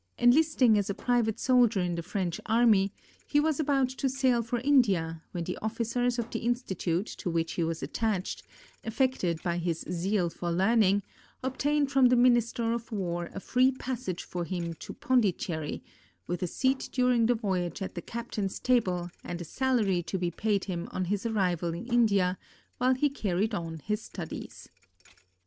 Enlisting as a private soldier in the French army, he was about to sail for India when the officers of the institute to which he was attached, affected by his zeal for learning, obtained from the Minister of War a free passage for him to Pondicherry, with a seat during the voyage at the captain's table and a salary to be paid him on his arrival in India while he carried on his studies.